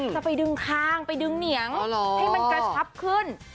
จะไปดึงคางไปดึงเหนียงให้มันกระชับขึ้น